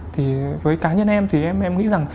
thì với cá nhân em thì em nghĩ rằng